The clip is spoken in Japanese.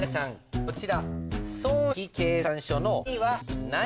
こちら。